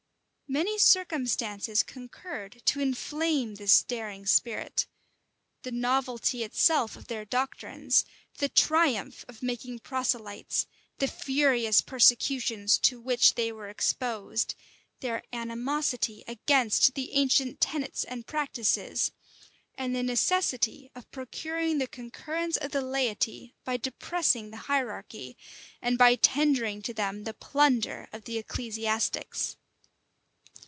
Many circumstances concurred to inflame this daring spirit; the novelty itself of their doctrines, the triumph of making proselytes, the furious persecutions to which they were exposed, their animosity against the ancient tenets and practices, and the necessity of procuring the concurrence of the laity by depressing the hierarchy, and by tendering to them the plunder of the ecclesiastics.